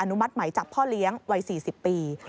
มัติไหมจับพ่อเลี้ยงวัย๔๐ปี